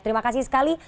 terima kasih sekali